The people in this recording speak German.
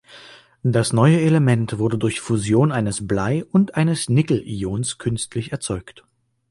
Das neue Element wurde durch Fusion eines Blei- und eines Nickel-Ions künstlich erzeugt.